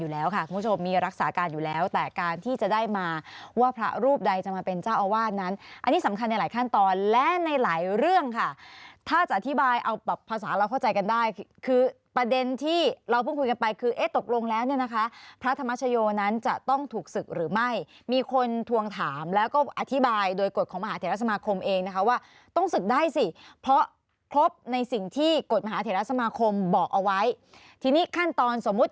อยู่แล้วค่ะคุณผู้ชมมีรักษาการอยู่แล้วแต่การที่จะได้มาว่าพระรูปใดจะมาเป็นเจ้าอาวาสนั้นอันนี้สำคัญในหลายขั้นตอนและในหลายเรื่องค่ะถ้าจะอธิบายเอาแบบภาษาเราเข้าใจกันได้คือประเด็นที่เราพึ่งคุยกันไปคือเอ๊ะตกลงแล้วเนี่ยนะคะพระธรรมชโยนั้นจะต้องถูกศึกหรือไม่มีคนทวงถามแล้วก็อธิบายโ